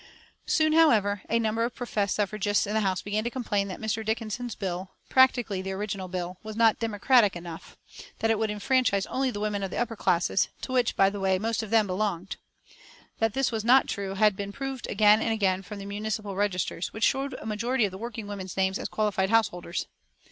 Soon, however, a number of professed suffragists in the House began to complain that Mr. Dickinson's bill, practically the original bill, was not "democratic" enough, that it would enfranchise only the women of the upper classes to which, by the way, most of them belonged. That this was not true had been proved again and again from the municipal registers, which showed a majority of working women's names as qualified householders.